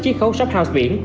chiếc khấu shophouse biển